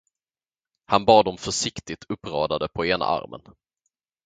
Han bar dem försiktigt uppradade på ena armen.